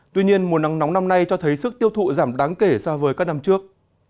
tuy nhiên mùa nắng nóng năm nay cho thấy sức tiêu thụ giảm đáng kể so với các năm trước